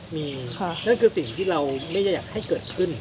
มีนั่นคือสิ่งที่เราไม่ได้อยากให้เกิดขึ้น